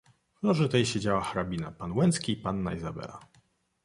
"W loży tej siedziała hrabina, pan Łęcki i panna Izabela."